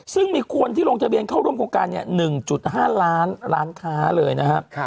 ซึ่งมีคนที่ลงทะเบียนเข้าร่วมโครงการ๑๕ล้านล้านค้าเลยนะครับ